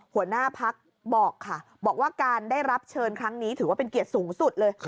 หัวหน้าพักบอกค่ะบอกว่าการได้รับเชิญครั้งนี้ถือว่าเป็นเกียรติสูงสุดเลย